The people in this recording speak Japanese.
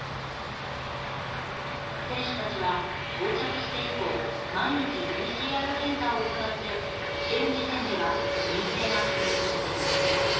選手たちは、到着して以降毎日ＰＣＲ検査を行って現時点では陰性が確認されています。